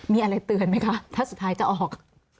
มีอะไรเตือนไหมคะถ้าสุดท้ายจะออก